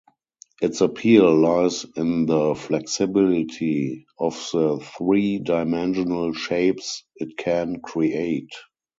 Its appeal lies in the flexibility of the three-dimensional shapes it can create.